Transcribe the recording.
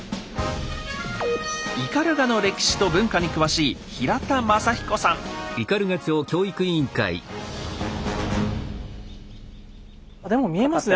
斑鳩の歴史と文化に詳しいでも見えますね。